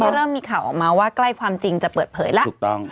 เริ่มมีข่าวออกมาว่าใกล้ความจริงจะเปิดเผยแล้วถูกต้อง